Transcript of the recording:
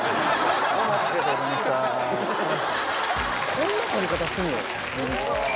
こんな取り方すんの？